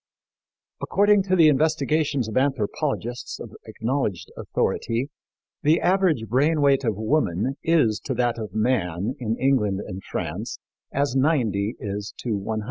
According to the investigations of anthropologists of acknowledged authority, the average brain weight of woman is to that of man in England and France as 90 is to 100.